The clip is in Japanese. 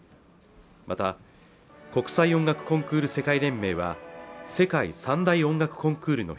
また国際音楽コンクール世界連盟は世界３大音楽コンクールの